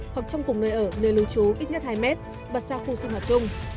hoặc trong cùng nơi ở nơi lưu trú ít nhất hai mét và xa khu sinh hoạt chung